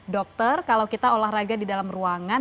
dokter kalau kita olahraga di dalam ruangan